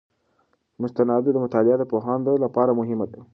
د مستنداتو مطالعه د پوهاندانو لپاره مهمه ده.